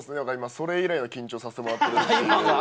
それ以来の緊張を今させてもらってるという。